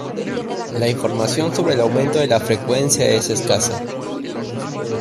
La información sobre el aumento de la frecuencia es escasa.